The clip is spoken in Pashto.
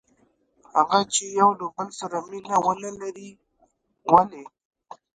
هغه چې یو له بل سره مینه ونه لري؟ ولې؟